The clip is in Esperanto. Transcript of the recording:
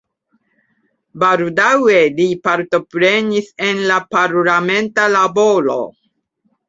Baldaŭe li partoprenis en la parlamenta laboro.